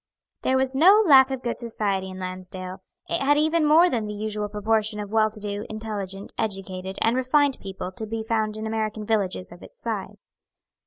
There was no lack of good society in Lansdale. It had even more than the usual proportion of well to do, intelligent, educated, and refined people to be found in American villages of its size.